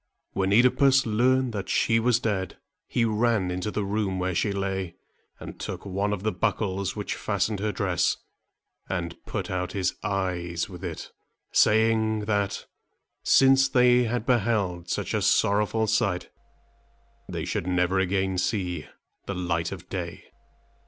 When OEdipus learned that she was dead, he ran into the room where she lay, and took one of the buckles which fastened her dress and put out his eyes with it, saying, that, since they had beheld such a sorrowful sight, they should never again see the light of day.